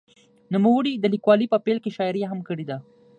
نوموړي د لیکوالۍ په پیل کې شاعري هم کړې ده.